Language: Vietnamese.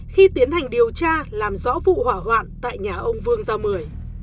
khi tiến hành điều tra làm rõ vụ hỏa hoạn tại nhà ông vương gia mười